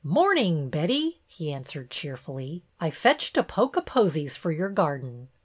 " Morning, Betty," he answered cheerfully. " I fetched a poke o' posies for your garden.